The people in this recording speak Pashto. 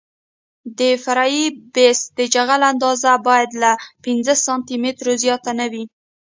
د فرعي بیس د جغل اندازه باید له پنځه سانتي مترو زیاته نه وي